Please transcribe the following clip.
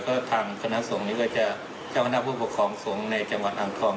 ก็ทางคณะสงฆ์นี้ก็จะเจ้าคณะผู้ปกครองสงฆ์ในจังหวัดอ่างทอง